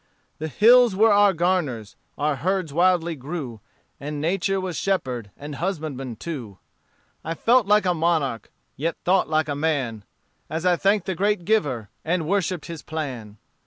The hills were our garners our herds wildly grew And Nature was shepherd and husbandman too. I felt like a monarch, yet thought like a man, As I thanked the Great Giver, and worshipped his plan.